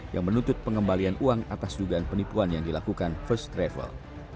yang menuntut pengembalian uang atas dugaan penipuan yang dilakukan first travel